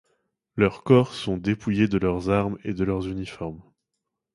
Leurs corps sont dépouillés de leurs armes et de leurs uniformes.